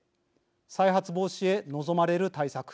再発防止へ望まれる対策。